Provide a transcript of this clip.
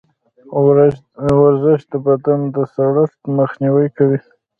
ورزش د بدن د سړښت مخنیوی کوي.